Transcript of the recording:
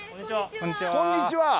こんにちは。